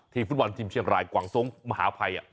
ทีมฟุตวันทีมเชียงรายกว่างโซงมหาภัย